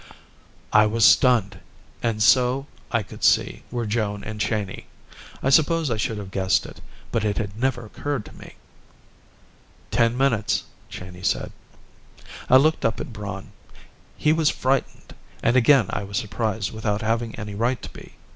I was stunned, and so, I could see, were Joan and Cheyney. I suppose I should have guessed it, but it had never occurred to me. "Ten minutes," Cheyney said. I looked up at Braun. He was frightened, and again I was surprised without having any right to be.